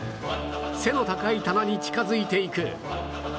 背の高い棚に近づいていく